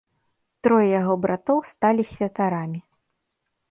Трое яго братоў сталі святарамі.